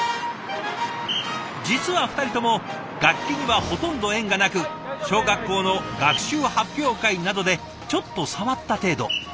実は２人とも楽器にはほとんど縁がなく小学校の学習発表会などでちょっと触った程度。